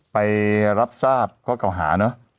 ไปรับทราบเพราะเก่าหาเนาะ